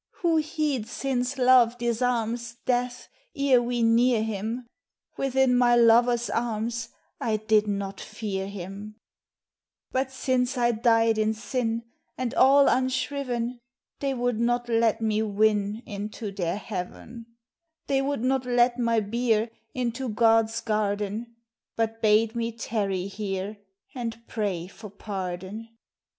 Who heeds since love disarms Death, ere we near him, Within my lover's arms I did not fear him 1 But since I died in sin And all unshriven, They would not let me win Into their heaven ; They would not let my bier Into God's garden, But bade me tarry here And pray for pardon.